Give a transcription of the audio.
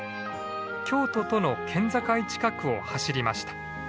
京都との県境近くを走りました。